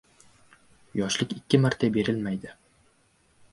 • Yoshlik ikki marta berilmaydi.